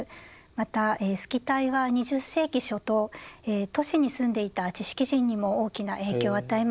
またスキタイは２０世紀初頭都市に住んでいた知識人にも大きな影響を与えました。